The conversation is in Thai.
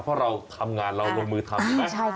เพราะเราทำงานเราลงมือทำใช่ไหม